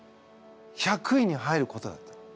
１００位に入ることだったの。